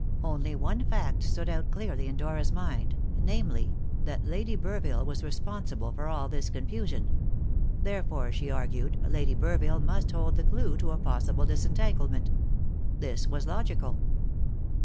Only one fact stood out clearly in Dora's mind, namely, that Lady Burville was responsible for all this confusion; therefore, she argued, Lady Burville must hold the clue to a possible disentanglement. This was logical.